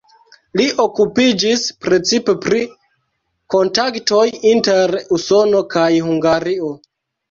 Li okupiĝis precipe pri kontaktoj inter Usono kaj Hungario.